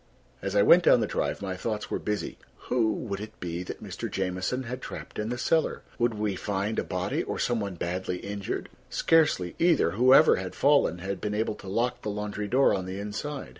As I went down the drive, my thoughts were busy. Who would it be that Mr. Jamieson had trapped in the cellar? Would we find a body or some one badly injured? Scarcely either. Whoever had fallen had been able to lock the laundry door on the inside.